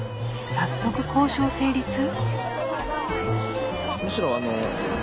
早速交渉成立？